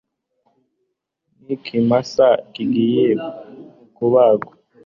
Nkikimasa kigiye kubagwa